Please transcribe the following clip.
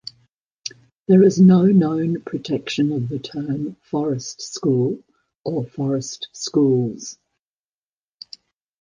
There is no known protection of the term "forest school" or "forest schools".